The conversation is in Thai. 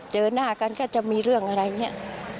เจอหน้ากันก็จะมีเรื่องอะไรเนี่ย